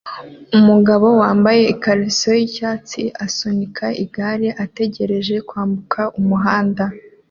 Umugabo wambaye ikariso yicyatsi asunika igare ategereje kwambuka umuhanda